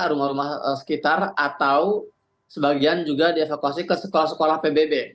rumah rumah sekitar atau sebagian juga dievakuasi ke sekolah sekolah pbb